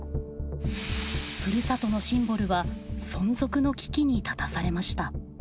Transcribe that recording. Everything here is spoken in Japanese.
ふるさとのシンボルは存続の危機に立たされました。